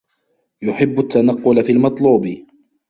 يُحِبُّ التَّنَقُّلَ فِي الْمَطْلُوبِ